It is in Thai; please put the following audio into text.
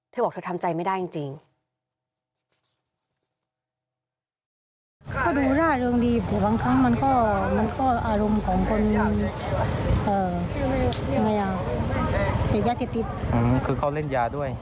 เธอบอกเธอทำใจไม่ได้จริง